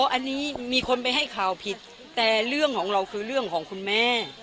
อันนี้มีคนไปให้ข่าวผิดแต่เรื่องของเราคือเรื่องของคุณแม่